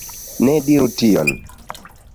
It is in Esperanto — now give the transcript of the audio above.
Ne diru tion